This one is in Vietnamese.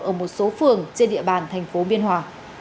ở một số phường trên địa bàn tp biên hòa